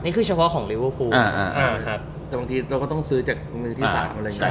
นี่คือเฉพาะของเลเวอร์ฟูลแต่บางทีเราก็ต้องซื้อจากมือที่สามารถ